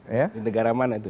di negara mana itu